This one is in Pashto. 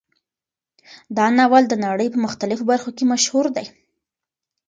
دا ناول د نړۍ په مختلفو برخو کې مشهور دی.